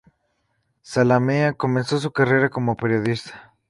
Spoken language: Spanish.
Zalamea comenzó su carrera como periodista.